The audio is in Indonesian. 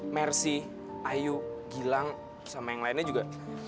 mersi ayu gilang sama yang lainnya juga